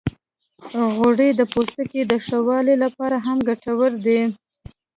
غوړې د پوستکي د ښه والي لپاره هم ګټورې دي.